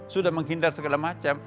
sudah menghindar segala macam